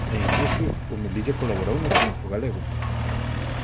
E incluso, o Melilla colaborou no triunfo galego.